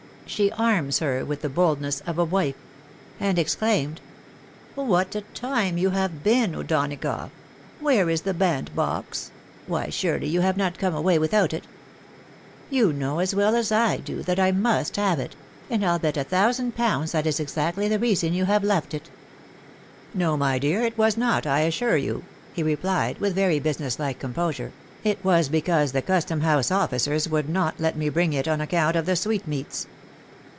She anus her with the holdness of a wife — and exclaimed, "What a time you have been O'Donagough! where is the bandbox ? Why surely you have not come away without it ? You know as well as I do, that I must have it ; E 2 68 THE WIDOW MARRIED. and I'll bet a thousand pounds that is exactly the reason you have left it!" " No, my dear, it was not, I assure you," he replied, with very business like composure ;" it was because the Custom house officers would not let me bring it on account of the sweetmeats."